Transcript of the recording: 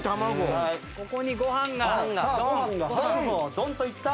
さあご飯がドンといった！